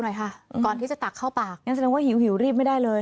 หน่อยค่ะก่อนที่จะตักเข้าปากงั้นแสดงว่าหิวรีบไม่ได้เลย